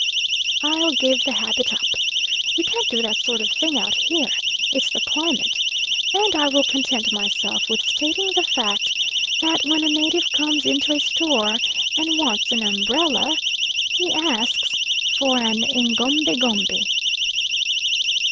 I'll give the habit up. "You can't do that sort of thing out here It's the climate," and I will content myself with stating the fact, that when a native comes into a store and wants an umbrella, he asks for an egombie gombie.